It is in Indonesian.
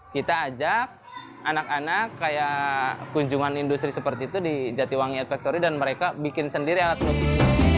kita ajak anak anak kayak kunjungan industri seperti itu di jatiwangi art factory dan mereka bikin sendiri alat musik